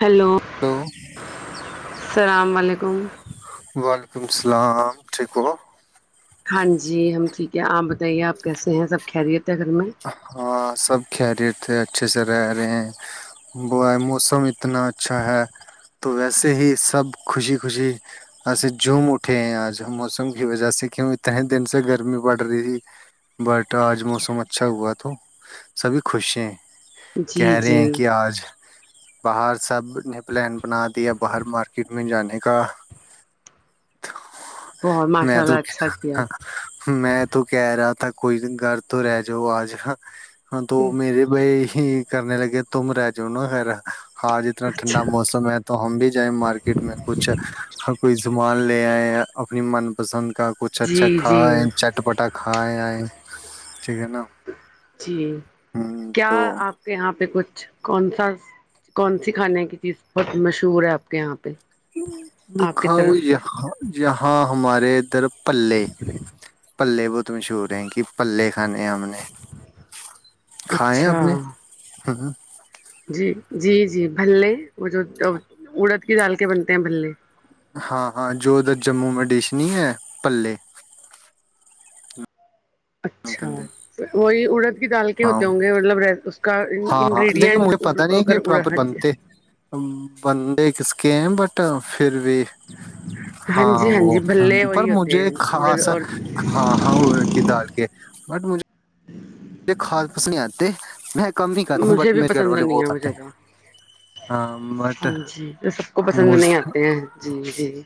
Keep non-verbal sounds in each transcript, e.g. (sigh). Hello hello السلام علیکم وعلیکم السلام ٹھیک ہو ہاں جی ہم ٹھیک ہے آپ بتائیے آپ کیسے ہیں سب کہرییے ہاں سب کہہریے تھے اچھے سے رہ رہے ہیں ہے موسم اتنا اچھا ہے تو ویسے ہی سب خوشی خوشی ایسے جوم اٹھے ہیں آج موسم کی وجہ سے کیوں اتنے دن سے گرمی پڑ رہی تھی بٹ آج موسم اچا اچھا ہوا تو سبھی خوش ہیں جی کہہ رہے جی ہیں کہ آج باہر سب نے پلان بنا دیا باہر مارکیٹ میں جانے کا بہت ماشاء میں تو اللہ اچھا کیا میں تو کہہ رہا تھا کوئی گھر تو رہ جو آج ہاں تو میرے بھائی (unintelligible) ہی کرنے لگے تم رہ جؤ نا خھر (unintelligible) آج اتنا ٹھنڈا اچھا موسم ہے تو ہم بھی جائیں مارکیٹ میں کچھ سامان لے آئے ہیں اپنی من پسند کا کچھ جی اچھا کھا جی ہے چٹپٹا کھائے ہیں ٹھیک ہے نا جی ہ کیا تو آپ کے یہاں پہ کچھ کون سا کون سی کھانے کی چیزہ مشہور ہے آپ کے یہاں پہ آپ کی دکھاؤ طرف یہاں یہاں ہمارے ادھر (unintelligible) پلے پلے بہت (unintelligible) مشہور ہیں کہ پلے ک ہم نے کھائے اچھا اپنے جی جی جی بھللے وہ جو اڑد کی ڈال کے بنتے ہیں بھے ہاں ہاں جو ادھر جموں اڈیشنی ہے پلے اچھاھر وہی اڑد کی ڈال کے ہاں ہوتے ہوں گے مطلب کا ہاں ہاں لیکن انگریڈیئنٹ مجھے پتا نہیں ہے کہ اڑا پراپر (unintelligible) بنتے بندے کس کے ہیں بٹ پھر بھی ہاں جی وہ جی بھلے پر وہی ہوتے مجھے ہیں اڑد خاصا اور ہاں ہاں ا کی دال کے بٹ مجھے (unintelligible) میرے خھص پسنیاتے میں (unintelligible) کم نہیں کتا ہوں مجھے بٹ بھی میرے گھر پسند والے نہیں ہے بہت وہ آتے ہیں زیادہ ہ بٹ ہاں جی سب کو پسند م نہیں آتے ہیں جی جی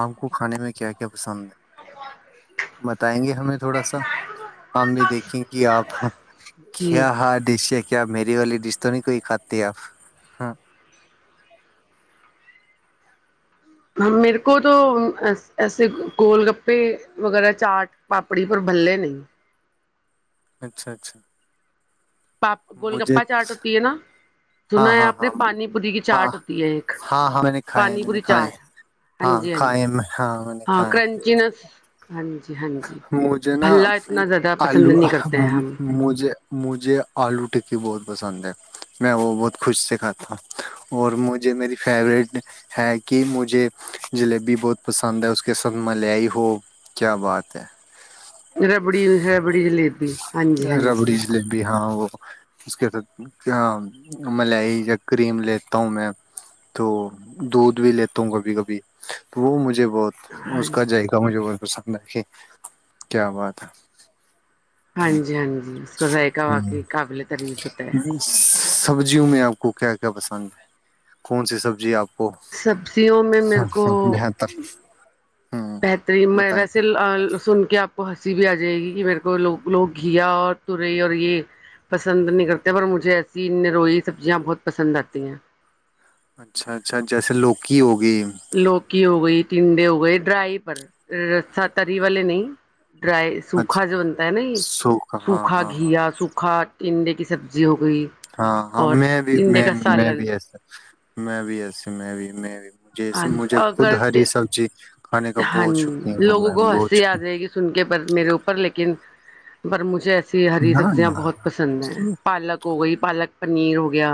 آم کو کھانے میں (unintelligible) کیا کیا پسند ہے بتائیں گے ہمیں تھوڑا سا ہم بھی دیکھیں گے ج آپ (unintelligible) ک جی ہا ڈس (unintelligible) کیا میری والی ڈش تو نہیں کوئی کھاتی آپ ہاں میرے کو تو ایسے گول گپے وغیرہ چاٹ پاپڑی پر بھلے نہیں اچھا اچھا پاپ گول مجھے گپا چاٹ ہوتی ہے نا سنا ہاں ہے ہاں آپ نے ہاں پانی پوری کی ہاں چاٹ ہوتی ہے ایک ہاں ہاں میں نے کھائے ہیں، پانی میں پوری نے کھائے ہیں چاٹ ہاں جی ہاں جی کھائے میں میں نے ہاں کھائے کرنچ ن مجھے نا اتنا زیادہ پسند آلو نہیں کرتے ہیں ہم مھے مجھے آلو ٹ کہ بہت پسند ہے میں وہ بہت خوش سے کھاتا ہوں اور مجھے میری فیوریٹ ہے کہ مجھے جلیبی بہت پسند ہے اس کے ساتھ ملئی ہو کیا بات چ ربڑی ربڑی جلیبی ہاں جی ہاں جی ربڑی کیا ہاں ملائی یا کریم لیتا ہوں میں تو دودھ بھی لیتا ہوں کبھی کبھی وہ مجھے بہت ہاں اس جی کاذائقہ مجھے بہت پسند ہے کہ کیا بات ہے ہاں جی ہاں جی اس کا ذائقہ ہوں واقعی قابل تعریف ہوتا ہے سبزیوں میں آپ کو کیا کیا پسند ہے کون سی سبزی آپ کو سبزیوں میں میرے کو بہتر ہوں بہترین میں بتائیں ویسے سن کے آپ کو ہنسی بھی آ جائے گی کہ میرے کووگ لوگ گھیا اور تورئی اور یہ پسند نہیں کرتے پر مجھے ایسی روئی سبزیاں بہت پسند آتی ہیں اچھا اچھا جیسے لوکی ہوگی لوک کی ہو گئی تھی ٹنڈے ہو گئے ڈرائی پر را تری والے نہیں ڈرائی اچھا سوکھا جو بنتا ہے نا یہ سوکھ ہاں سوکھا ہاں ہاں گیا سوکھا کینڈے کی سبزی ہو گئی ہاں ہاں اور میں بھی ٹنڈے میں کا میں سالن بھی ایسا میں بھی ایس میں بھی میں بھی مجھے ہاں مجھے خود اگر ہری سبزی کھانے کا ہاں بہت شوقین ہوں لوگوں میں کو بہت ہنسی آ شوقین جائے گی سن کے پر میرے اوپر لیکن پر مجھے ایسا ہری نہ سبزیاں نہ بہت پسند ہیں پالک ہو گئی پالک پ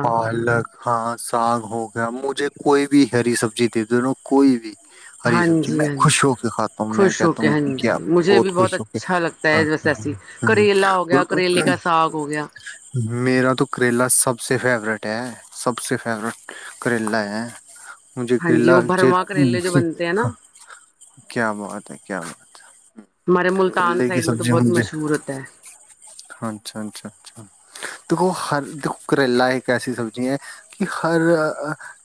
پالک ہاں ساگ ہو گیا مجھے کوئی بھی ہری سبزی د د نوں کوئی بھی ہری ہاں سبزی جی میں ہاں خوش جی ہو کے کھاتا ہوں میں خوش ہو کہتا کے ہوں ہاں جی کیا مجھے بھی بہت خوش ہو کے اچھا لگتا ہے کھات بس ایسی ہوں کریلا ہو گیا اور کریلے کا ساگ ہو گیا میرا تو کریلا سب سے فیورٹ ہے سب سے فیورٹ کریلا ہے مجھے ہاں جی کرلا وہ چت بھرواں کریلے جو بنتے ہیں نا کیا بات ہے کیا بات ہے ہمارے ملتان کریلے سائڈ میں تو بہت مشہور ہوتا ہے ہاںچھا اچھا اچھا دیکھو ہر دیکھو کریلا ایک ایسی سبزی ہے کہ ہر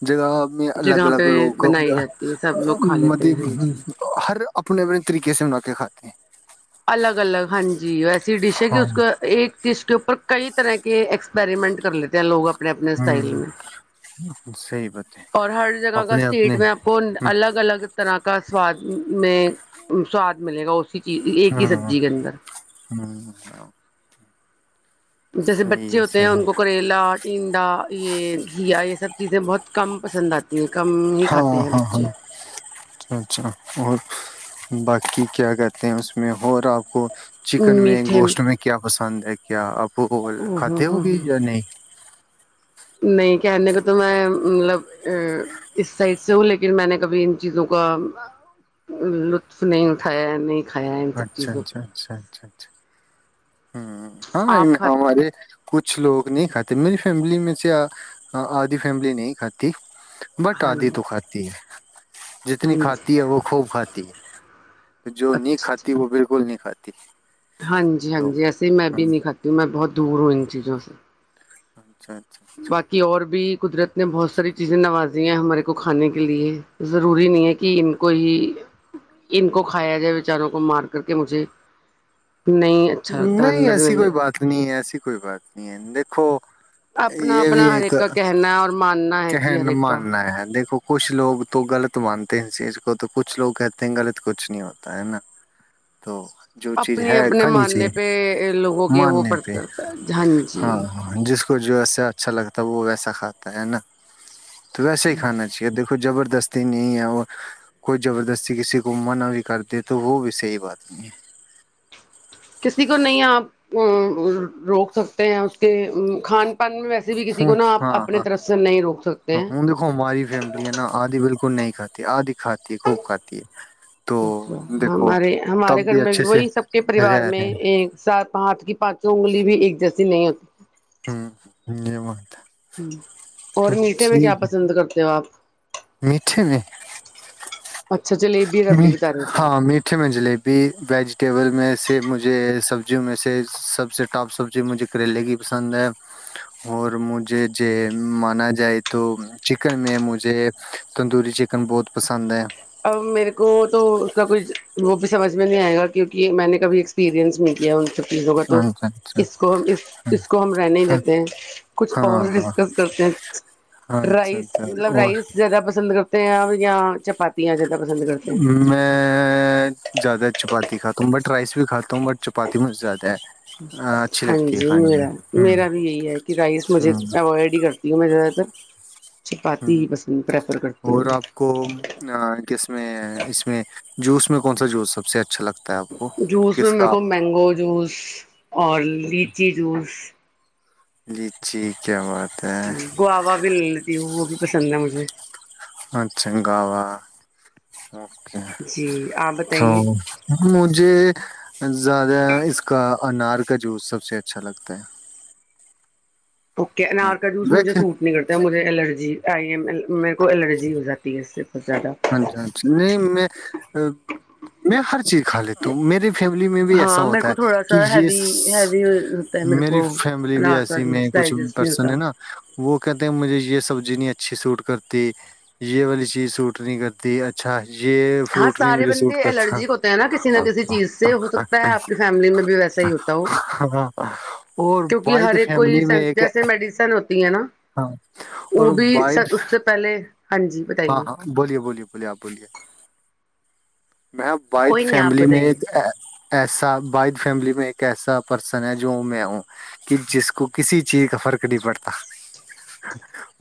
جگہ میں الگ جگہ الگ پہ لوگ بنائی جاتی ہے سب لوگ کھا م لیتے ہیں ہاں جی ہر اپنے اپنے طریقے سے منا کے کھاتے ہیں الگ الگ ہاں جی ویسے ڈش ہے کہ ہاں اس کو ایک دس کے اوپر کئی طرح کے سپریمنٹ کر لیتے ہیں لوگ اپنے اپنے اسٹائل ہوں میں صحیح بات ہے اور ہر جگہ کا اپنے اسٹیٹ اپنے میں آپ کو الگ الگ طرح کا سواد میں سواد ملے گا اسی چیز ایک ہی ہاں سبزی کے اندر ہ جیسے بچے ہوتے ہیں ان ہے کو کریلا ٹینڈا یہ گیا یہ سب چیزیں بہت کم پسند آتی ہیں کم ہی کھاتے ہاں ہیں ہاں ہاں بچے اچھا اچھا اور باقی کیا کہتے ہیں اس میں اور آپ کو چکن میں میٹھے گوشت میں کیا پسند ہے کیا آپ وہ خطح ہوگی یا نہیں نہیں کہنے کو تو میں مطلب اس سائڈ سے ہوں لیکن میں نے کبھی ان چیزوں کا لطف نہیں اٹھایا نہیں کھایا ہے ان سب اچھا چیزوں کو۔ اچھا اچھا اچھاچھا ہ ہاں آپ کھاتے ہمارے کچھ لوگ نہیں کھاتے میری فیملی میں سے آدھی فیملی نہیں کھاتی بٹ ہاں آدھی جی تو کھاتی ہے ہاں جتنی جی کھاتی ہے وہ خوب کھاتی ہے جو اچھا ن خط اچھا بالکل نہیں کاتی ہاں جی ہاں جی ایسے میں بھی نہیں کاتی ہوں میں بہت دور ہوں ان چیزوں سے ہاں باقی اور بھی قدرت نے بہت ساری چیزیں نوازی ہیں ہمارے کو کھانے کے لیے ضروری نہیں ہے کہ ان کو ہی ان کو کھایا جائے بیچاروں کو مار کر کے مجھے نہیں اچھا لگتا نہیں اندر سے ایسی میری کوئی بات نہیں ہے ایسی کوئی بات نہیں ہے دیک ھو اپنا اپنا ہر کا کہنا ہے اور ماننا ہے جی کہن ہرک ماننا ہے دیکھو کچھ لوگ تو غلط مانتے ہیں اس چیز کو تو کچھ لوگ کہتے ہیں غلط کچھ نہیں ہوتا ہے نا تو (unintelligible) چیز اپنی ہے اپنے کھانی منے چاہیے (unintelligible) پہ لوگوں کے وہ ماننے پرت پہ کرتا ہے ہاں جی (unintelligible) لتا وہ ویسا کھاتا ہے نا تو ویسا ہی کھانا چاہیے دیکھو زبردستی نہیں ہے کوئی زبردستی کسی کو منع بھی کر د تو وہ بھی صحیح بات نہیں ہے (unintelligible) کسی کو نہیں آپ ا روک سکتے ہیں اس کے کھان (unintelligible) پن میں ویسے بھی کسی کو ہوں، نا آپ ہاں اپنے ہاں طرف سے نہیں روک سکتے ہاں ہیں ہوں، (unintelligible) تی آ د (unintelligible) اچا دیکھو ہمارے ہمارے تب گھر بھی میں اچھے سے وہی سب کے پریوار رہ میں رہے ہیں ایک سات ہاتھ کی پانچوں انگلی بھی ایک جیسے (unintelligible) نہیں ہوتی (unintelligible) ہوںم (unintelligible) ہ اور میٹھے میں کیا ہے پسند کرتے ہو آپ (unintelligible) میٹھے (unintelligible) اچھا جلیبی ربڑی بتا رہے تھے ہاں میٹھے میں جلیبی ویجیٹیبل میں اس سے مجھے سبزیوں میں سے سب سے ٹاپ سبزی مجھے کریلے کی پسند ہے اور مجھے ج مانا جائے تو چکن میں مجھے تندوری چکن بہت پسند ہے اب میرے کو تو اس کا کچھ وہ بھی سمجھ میں نہیں آئے گا کیونکہ میں نے کبھی ایکسپیرئنس نہیں کیا چیز ہوگا تو اچھا اچھا کو اچھا کو ہم رہنے دیتے ہیں کچھ اور ہاں ڈسکس کرتے ہیں ہاں اچھا رس اچھا مطلب اور رائس زیادہ پسند کرتے ہیں آپ یا چپات ج میں زیادہ چپات د کات کم رائس بھی کھاتا ہوں بٹ چپاتی مجھے زیادہ ہے اچھی ہاں لگتی ہے جی کھانے میں میرا ہ میرا بھی ہ ج میں ج رہا تھ ہ اور ہوں آپ کو کس میں اس میں جوس میں کون سا جوس سب اچھا لگتا ہے آپ کو جوس میں کس کا میرے کو آپ مینگو جوس اور لیچی جوس جی ٹھیک کیا ہے بات ہے گوا بھی لے لیتی ہوں وہ بھی پسند ہے مجھے ا چ گوا اوکے جی آپ تو بتائیے مجھے زیادہ اس کا انار کا جوس سب سے اچھا لگتا ہے اوکے ہ انار کا جوس مجھے دیکھ سوٹ نہیں کرتا مجھے الرجی ایم ای کو الرجی ہو جاتی ہے اسس ہاں جی ہاں جی نہیں میں میں ہر چیز کھا لیتا ہوں میرے فیملی میں بھی ایسا ہاں میرے ہوتا کو ہے تھوڑا کہ سا یہ ہیوی ہیوی ہوتا ہے میرے میری کو فیملی بھی انار کا ایسی میں جوس کچھ ڈائجسٹ نہیں ہوتا پرسن نا وہ کہتے ہیں مجھے یہ سب جنی اچھی سوٹ کرتی یہ والی چیز سوٹ کٹنی گدی اچھا ہے ہاں سارے بندے الرجک ہوتے ہیں نا کسی نہ کسی چیز سے ہو سکتا ہے اپنی فیملی میں بھی ویسا ہی ہوتا ہو ا کیونکہ ہر ایک کوئی جیسے میڈیسن ہوتی ہے نا ہاں وہ اور بھی س وائد اس سے پہلے ہاں جی ہاں بتائیے ہاں بولیے بولیے بولیے آپ بولیے میں بائد کوئی نہیں آپ فیملی میں بتائیے ایک ایسا بائد فیملی میں ایک ایسا پرسن ہے جو میں ہوں کہ جس کو کسی چیز کا فرق نہیں پڑتا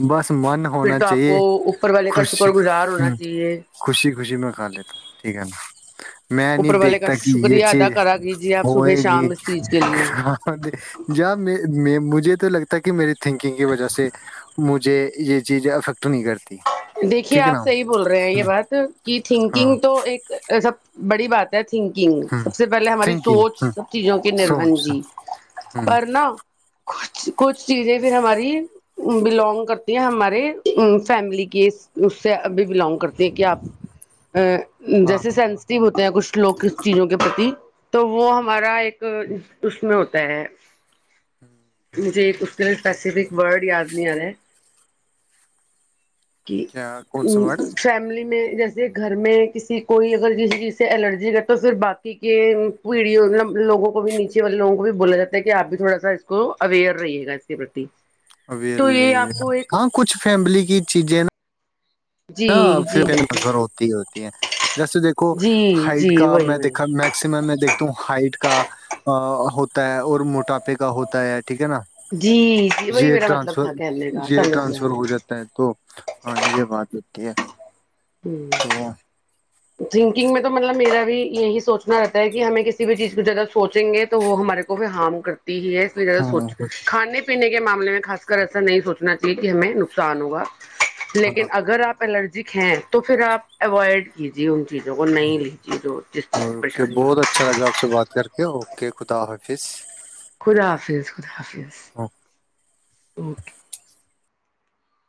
بس من پھر ہونا تو آپ کو چاہیے اوپر (unintelligible) خوشی گزار ہ ہونا چاہیے خوشی خوشی میں کر لیتا ہوں ٹھیک ہے نا میں نہیں اوپر والے کا دیکھتا کہ یہ شکریہ ادا چیز کرا کیجیے آپ صبح ہوئے گی شام اس چیز کے لیے ج میں (unintelligible) مجھے تو لگتا ہے کہ میرے (unintelligible) تھنکنگ کی وجہ سے مجھے (unintelligible) ج یہ چیزیں افیکٹ نہیں کرتی (unintelligible) دیکھیے ٹھیک ہے آپ نا صحیح بول رہے ہیں یہ بات کہ ہاں تھنکنگ تو ایک سب (unintelligible) بڑی بات ہے (unintelligible) تھنکنگ سب سے پہلے ہماری سوچ تھنکنگ سب چیزوں کے نربھن سوچ جی ہاں پر نا کھ (unintelligible) کچھ چیزیں پھر ہماری بلونگ کرتی ہیں ہمارے ا فیملی کی اس سے ابھی بلونگ کرتے ہیں کہ آپ (unintelligible) جیسے ہاں سینسٹیو ہوتے ہیں کچھ لوک چیزوں کے پرتی تو وہ ہمارا ایک اس میں ہوتا ہے مجھے اس کے لیے اسپیسفک ورڈ یاد نہیں آ رہا ہے (unintelligible) کہ کیا کون سا ورڈ فیملی میں (unintelligible) جیسے گھر میں کسی کوئی اگر جسی چیز سے الرجی ہے تو پھر باقی کے پیڑھی لوگوں کو بھی نیچے والے لوگوں کو بھی بولا جاتا ہے کہ آپ بھی تھوڑا سا اس کو اویئر رہیے گا اس کے پرتی (unintelligible) ابھی تو یہ آپ کو ایک ہاں کچھ فیملی کی چیزیں نا (unintelligible) ن جی جی جی فور ہوتی ہی ہوتی ہیں جیسے دیکھو جی ہائٹ جی کا وہی میں وہی دیکھا میکسمم میں دیکھتا ہوں ہائٹ کا ہوتا ہے اور موٹاپے کا ہوتا ہے (unintelligible) ٹھیک ہے نا جی جی وہی یہ میرا مطلب ٹرانسفر تھا کہنے کا یہ سمجھ گیا ٹرانسفر ہو جاتا ہے تو ہاں یہ بات ہے (unintelligible) ٹھیک ہے (unintelligible) ہ تو (unintelligible) تھنکنگ میں تو مطلب میرا بھی یہی سوچنا رہتا ہے کہ ہمیں کسی بھی چیز کو جیادہ سوچیں گے تو وہ ہمارے کو بھی ہارم کر ہی ہے اس لی زیاہ ہاں سوچ کانے پینے کے معاملے میں خاص کر ایسا نہیں سوچنا چاہیے کہ ہمیں نقصان ہوگا لیکن ہاں اگر آپ الرجی ہیں تو پھر آپ اوائڈ کیجیے چیزوں کو نہیں لیجیے جو جس چیز سے اورک پریشانی ہو بہت سکتی اچھا لگا اس سے بات کر کے اوک خدا فیس خدا حافظ خدا حافظ اوکے